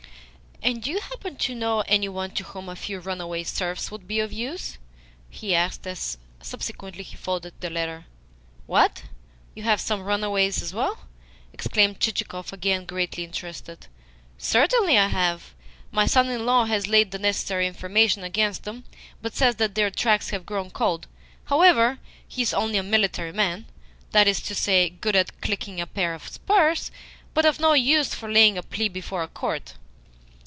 "And do you happen to know any one to whom a few runaway serfs would be of use?" he asked as subsequently he folded the letter. "What? You have some runaways as well?" exclaimed Chichikov, again greatly interested. "Certainly I have. My son in law has laid the necessary information against them, but says that their tracks have grown cold. However, he is only a military man that is to say, good at clinking a pair of spurs, but of no use for laying a plea before a court."